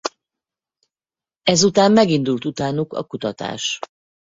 Ezután megindult utánuk a kutatás.